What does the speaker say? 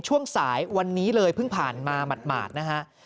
ช่วงสายวันนี้เลยเพิ่งผ่านมาหมาดนะฮะ